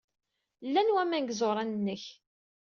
Llan waman deg yiẓuran-nnek.